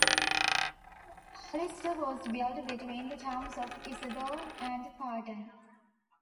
Hollister was built between the towns of Isadore and Parton.